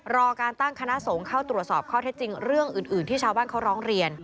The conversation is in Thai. รอการตั้งคณะสงฆ์เข้าตรวจสอบข้อเท็จจริงเรื่องอื่นที่ชาวบ้านเขาร้องเรียน